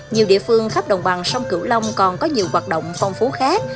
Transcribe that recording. nhiều địa phương khắp đồng bằng sông cửu long còn có nhiều hoạt động phong phú khác